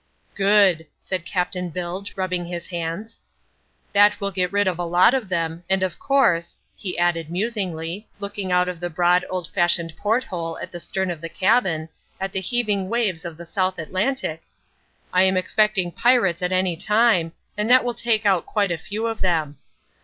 "Good," said Captain Bilge, rubbing his hands, "that will get rid of a lot of them, and of course," he added musingly, looking out of the broad old fashioned port hole at the stern of the cabin, at the heaving waves of the South Atlantic, "I am expecting pirates at any time, and that will take out quite a few of them.